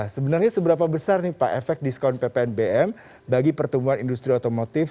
sebenarnya seberapa besar nih pak efek diskon ppnbm bagi pertumbuhan industri otomotif